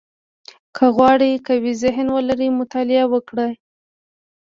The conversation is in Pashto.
• که غواړې قوي ذهن ولرې، مطالعه وکړه.